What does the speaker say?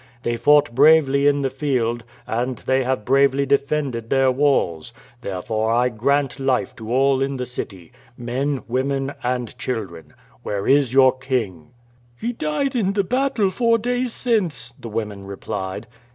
They fought bravely in the field, and they have bravely defended their walls; therefore I grant life to all in the city men, women, and children. Where is your king?" "He died in the battle four days since," the women replied.